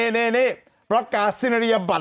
นี่ประกาศิลายะบัตร